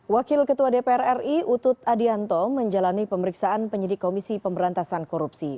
wakil ketua dpr ri utut adianto menjalani pemeriksaan penyidik komisi pemberantasan korupsi